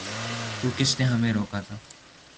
تو کس نے ہمیں روکا تھا؟